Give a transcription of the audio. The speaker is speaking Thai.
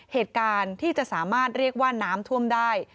เหตุการณ์ที่จะสามารถเรียกว่าน้ำท่วมได้